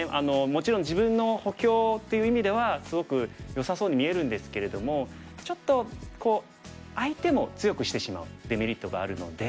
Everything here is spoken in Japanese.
もちろん自分の補強っていう意味ではすごくよさそうに見えるんですけれどもちょっと相手も強くしてしまうデメリットがあるので。